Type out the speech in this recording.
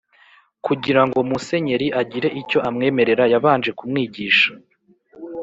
" Kugira ngo Musenyeri agire icyo amwemerera yabanje kumwigisha